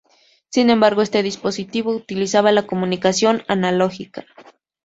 Sin embargo, este dispositivo utilizaba la comunicación analógica.